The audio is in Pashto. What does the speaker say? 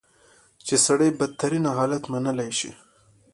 چې سړی بدترین حالت منلی شي.